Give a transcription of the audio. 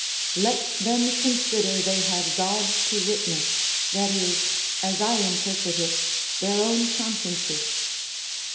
["Let them consider they have God to witness, that is (as I interpret it), their own consciences."